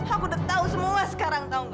aku udah tahu semua sekarang tau